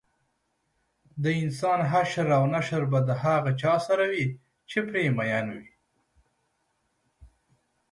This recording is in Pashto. دانسان حشر او نشر به د هغه چا سره وي چې پرې مین وي